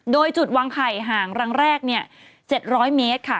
โดยจุดวางไข่ห่างรังแรก๗๐๐เมตรค่ะ